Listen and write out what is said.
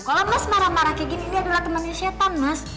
kalau mas marah marah kayak gini dia adalah temannya syetan mas